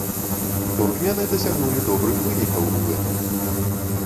Туркмены дасягнулі добрых вынікаў у гэтым.